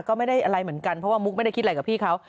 ก็ไม่ได้อะไรเหมือนกันเพราะว่ามุกไม่ได้คิดอะไรกับพี่เขา